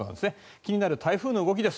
気になる台風の動きです。